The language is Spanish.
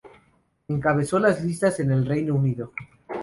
Encabezó las listas en el Reino Unido.